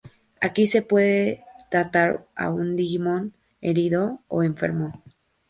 Aquí se puede se puede tratar a un Digimon herido o enfermo.